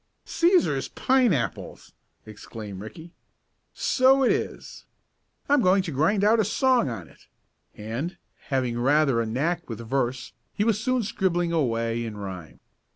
"Cæsar's pineapples!" exclaimed Ricky. "So it is. I'm going to grind out a song on it," and, having rather a knack with verse, he was soon scribbling away in rhyme.